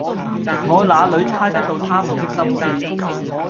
我那裏猜得到他們的心思，